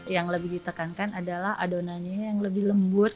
yang lebih ditekankan adalah adonannya yang lebih lembut